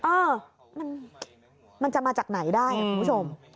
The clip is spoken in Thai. เออมันจะมาจากไหนได้คุณผู้ชม